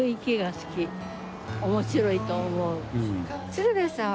鶴瓶さん